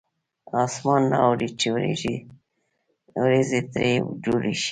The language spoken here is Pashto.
اسمان نه اوري چې ورېځې ترې جوړې شي.